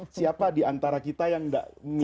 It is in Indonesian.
siapa diantara kita yang tidak memiliki